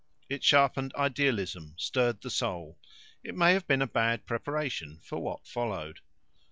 It sharpened idealism, stirred the soul. It may have been a bad preparation for what followed.